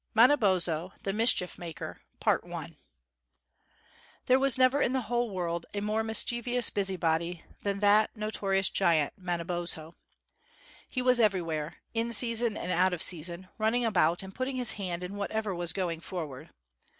MANABOZHO, THE MISCHIEF MAKER |THERE was never in the whole world a more mischievous busy body than that notorious giant Manabozho. He was everywhere, in season and out of season, running about and putting his hand in whatever was going forward.